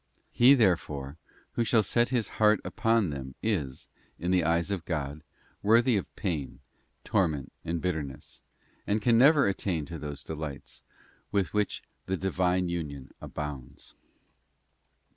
He, therefore, who shall set his heart upon them is, in the eyes of God, worthy of pain, torment, and bitterness, and can never attain to those delights with which the Divine union abounds.